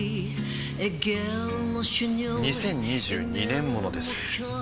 ２０２２年モノです